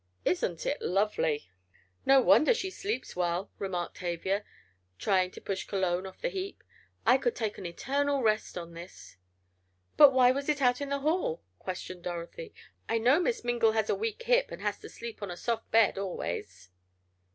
Isn't it lovely?" "No wonder she sleeps well," remarked Tavia, trying to push Cologne off the heap. "I could take an eternal rest on this." "But why was it out in the hall?" questioned Dorothy. "I know Miss Mingle has a weak hip and has to sleep on a soft bed, always."